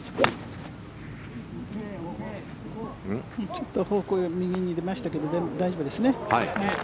ちょっと方向が右に出ましたけど大丈夫ですね。